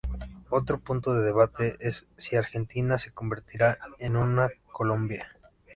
Otro punto de debate es si Argentina se convertirá en una "Colombia".